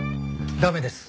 駄目です。